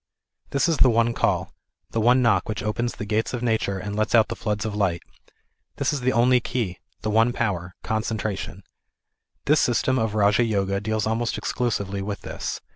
This is the one call, the one knock which opens the gates of Nature and lets out the floods of light. This is the only key, the one power ŌĆö concentration. This system of Raja Yoga, deals almost exclusively with this.